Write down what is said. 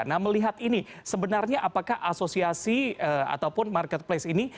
nah melihat ini sebenarnya apakah asosiasi ataupun marketplace ini